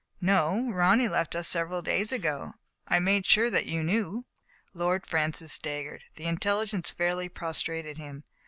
" No, Ronny left us several days ago. I made sure that you knew." Lord Francis staggered. The intelligence fairly prostrated him.